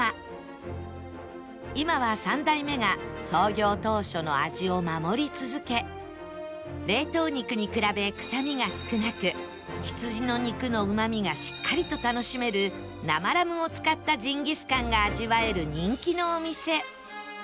今は３代目が創業当初の味を守り続け冷凍肉に比べくさみが少なく羊の肉のうまみがしっかりと楽しめる生ラムを使ったジンギスカンが味わえる人気のお店